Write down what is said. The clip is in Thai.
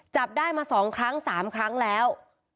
จับได้มาสองครั้งสามครั้งแล้ว